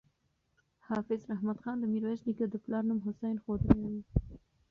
حافظ رحمت خان د میرویس نیکه د پلار نوم حسین ښودلی دی.